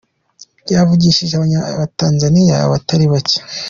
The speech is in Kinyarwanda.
Byavugishije abanyatanzania batari bake